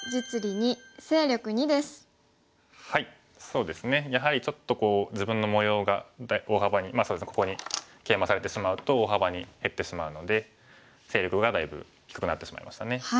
そうですねやはりちょっと自分の模様が大幅にここにケイマされてしまうと大幅に減ってしまうので勢力がだいぶ低くなってしまいましたね。